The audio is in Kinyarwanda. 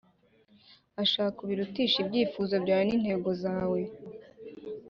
ashaka ubirutishe ibyifuzo byawe n intego zawe